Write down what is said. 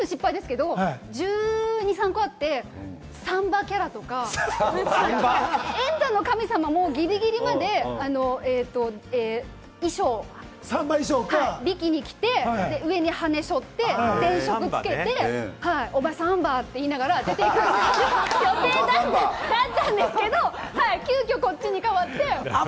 全部失敗ですけれども、１２１３あって、サンバキャラとか、『エンタの神様』もギリギリまでビキニ着て、上に羽しょって、電飾つけて、オバサンバ！と言って出ていくのが定番だったんですけど、急きょこっちに変わって。